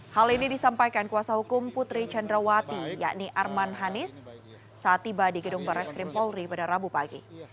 hal ini disampaikan kuasa hukum putri chandrawati yakni arman hanis saat tiba di gedung barat skrimpolri pada rabu pagi